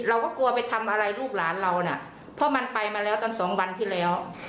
เราก็กลัวไปทำอะไรลูกหลานเราน่ะเพราะมันไปมาแล้วตอนสองวันที่แล้ว